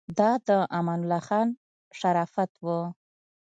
دا د امان الله خان شرافت و.